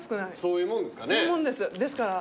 そういうもんです。ですから。